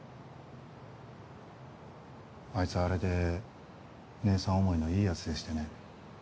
アイツはあれで姉さん思いのいいヤツでしてね。